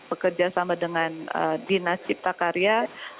bekerja sama dengan dinas cipta karya